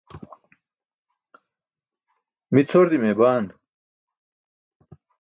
mi cʰor dimee baan